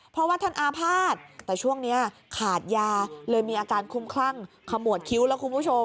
เพราะว่าท่านอาภาษณ์แต่ช่วงนี้ขาดยาเลยมีอาการคุ้มคลั่งขมวดคิ้วแล้วคุณผู้ชม